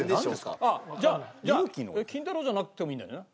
じゃあ金太郎じゃなくてもいいんだよね？